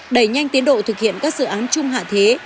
đẩy nhanh tiến độ thực hiện các dự án chung hạ thế